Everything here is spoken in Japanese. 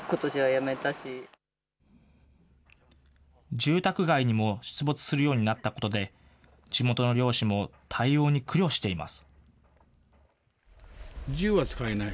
住宅街にも出没するようになったことで、地元の猟師も対応に苦慮しています。